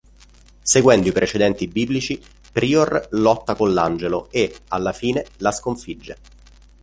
Seguendo i precedenti biblici, Prior lotta con l’Angelo e, alla fine, la sconfigge.